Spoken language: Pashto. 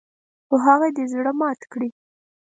خو هغه دې زړه مات کړي .